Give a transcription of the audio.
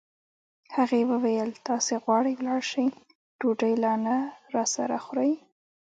هغې وویل: تاسي غواړئ ولاړ شئ، ډوډۍ لا نه راسره خورئ.